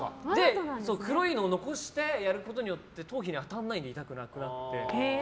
黒いのを残してやることによって頭皮に当たらないので痛くなくなって。